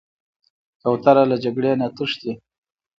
کوتره له جګړې نه تښتي.